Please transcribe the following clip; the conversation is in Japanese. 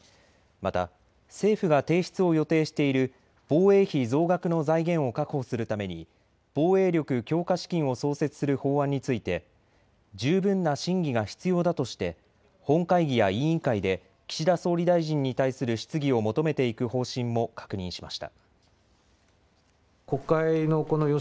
また政府が提出を予定している防衛費増額の財源を確保するために防衛力強化資金を創設する法案について十分な審議が必要だとして本会議や委員会で岸田総理大臣に対する質疑を求めていく方針も確認しました。